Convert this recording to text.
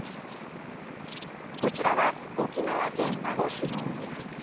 こちらは、沖縄県名護市の海。